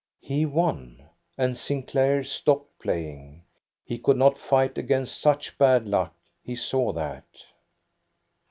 He won, and Sinclair stopped playing. He could not fight against such bad luck ; he saw that.